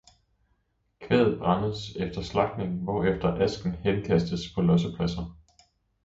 Kvæget brændes efter slagtningen, hvorefter asken henkastes på lossepladser.